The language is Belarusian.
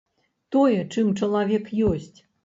Тое, чым чалавек ёсць.